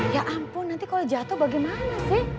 ya ampun nanti kalau jatuh bagaimana sih